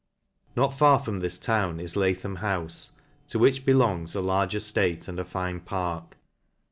Not far from this town is Lathom Houfe \ to which belongs a large eftate, and a fine park.